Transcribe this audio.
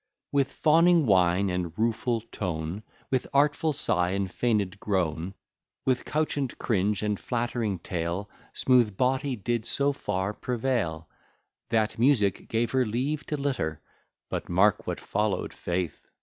With fawning whine, and rueful tone, With artful sigh, and feigned groan, With couchant cringe, and flattering tale, Smooth Bawty did so far prevail, That Music gave her leave to litter; (But mark what follow'd faith!